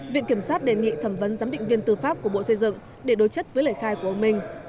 viện kiểm sát đề nghị thẩm vấn giám định viên tư pháp của bộ xây dựng để đối chất với lời khai của ông minh